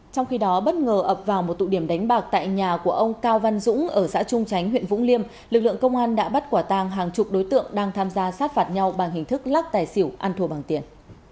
trong khi đó bất ngờ ập vào một tụ điểm đánh bạc tại nhà của ông cao văn dũng ở xã trung chánh huyện vũng liêm lực lượng công an đã bắt quả tàng hàng chục đối tượng đang tham gia sát phạt nhau bằng hình thức lắc tài xỉu ăn thua bằng tiền